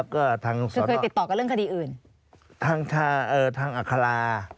ค่ะค่ะ